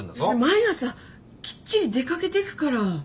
毎朝きっちり出掛けてくから。